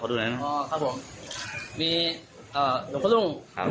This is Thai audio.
ขอดูหน่อยอ๋อครับผมมีอ่าหยุดคุณลุงครับ